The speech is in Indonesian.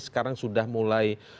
sekarang sudah mulai